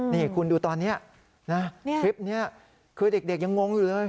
นี่คุณดูตอนนี้นะคลิปนี้คือเด็กยังงงอยู่เลย